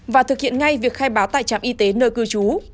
và thực hiện ngay việc khai báo tại trạm y tế nơi cư trú